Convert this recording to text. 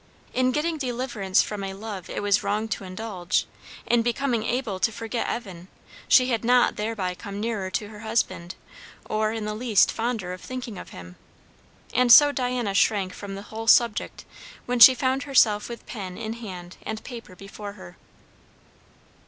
In getting deliverance from a love it was wrong to indulge, in becoming able to forget Evan, she had not thereby come nearer to her husband, or in the least fonder of thinking of him; and so Diana shrank from the whole subject when she found herself with pen in hand and paper before her.